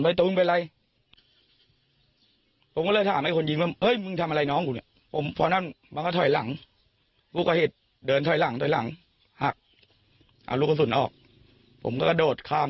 เขาบอกว่าพี่อย่าถามผมผมคอยยิงกังไปทีได้ไหม